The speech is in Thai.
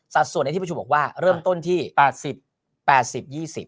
สักส่วนนี้ที่ประชวงบอกว่าเริ่มต้นที่ประสุนที๘๐